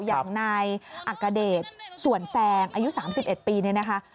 อย่างนายอักกระเด็ดสวรรค์แซงอายุ๓๑ปีนี่นะครับ